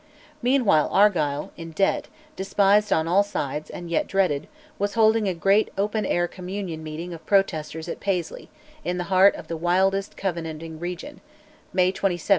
Meanwhile Argyll, in debt, despised on all sides, and yet dreaded, was holding a great open air Communion meeting of Protesters at Paisley, in the heart of the wildest Covenanting region (May 27, 1660).